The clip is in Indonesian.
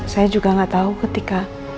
saya juga gak tau ketika